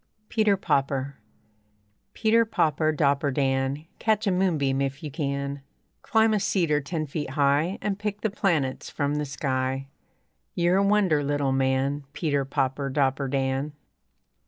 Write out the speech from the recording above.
PETER, POPPER Peter, popper, dopper, Dan, Catch a moonbeam if you can; Climb a cedar ten feet high And pick the planets from the sky. You're a wonder, little man Peter, popper, dopper, Dan.